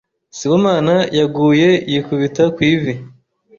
Sibomana yaguye yikubita ku ivi.